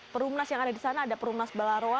perumnas yang ada di sana ada perumnas balaroa